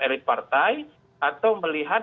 elit partai atau melihat